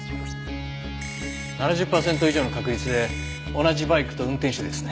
７０パーセント以上の確率で同じバイクと運転手ですね。